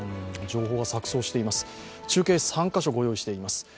情報が錯綜しています、中継を３カ所ご用意しています。